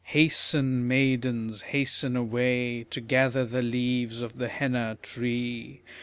Hasten maidens, hasten away To gather the leaves of the henna tree.